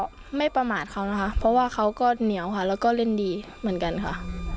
ก็ไม่ประมาทเขานะคะเพราะว่าเขาก็เหนียวค่ะแล้วก็เล่นดีเหมือนกันค่ะ